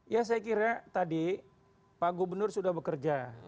ya saya kira tadi pak gubernur sudah bekerja